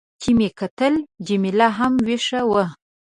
چې مې کتل، جميله هم وېښه وه.